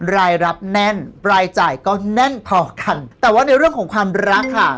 รายรับแน่นรายจ่ายก็แน่นพอกันแต่ว่าในเรื่องของความรักค่ะ